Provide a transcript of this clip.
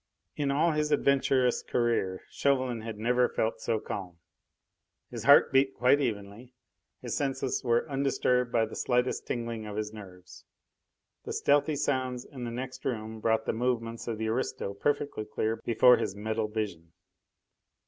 In all his adventurous career Chauvelin had never felt so calm. His heart beat quite evenly, his senses were undisturbed by the slightest tingling of his nerves. The stealthy sounds in the next room brought the movements of the aristo perfectly clear before his mental vision.